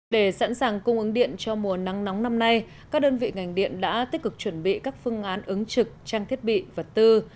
để sẵn sàng cung ứng điện cho mùa nắng nóng năm nay các đơn vị ngành điện đã tích cực chuẩn bị các phương án ứng trực trang thiết bị vật tư